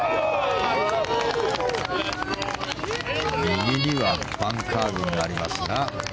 右にはバンカー群がありますが。